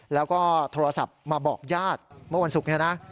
แล้วก็โทรศัพท์มาบอกญาติเมื่อวันศุกร์นี้นะ